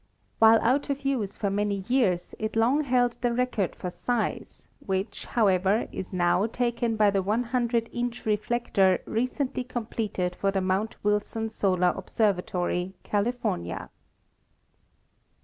While out of use for many years, it long held the record for size, which, however, is now taken by the 100 inch reflector recently completed for the Mount Wilson Solar Observatory, California.